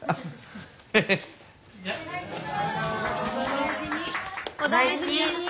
お大事に。